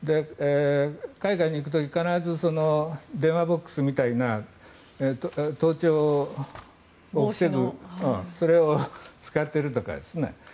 海外に行く時必ず電話ボックスみたいな盗聴を防ぐそれを使っているとかですね。